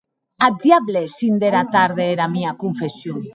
Ath diable es cinc dera tarde e era mia confession!